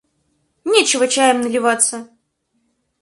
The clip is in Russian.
Нечего чаем наливаться.